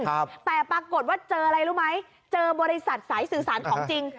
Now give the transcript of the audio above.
ครับแต่ปรากฏว่าเจออะไรรู้ไหมเจอบริษัทสายสื่อสารของจริง